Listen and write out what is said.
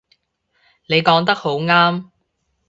你講得好啱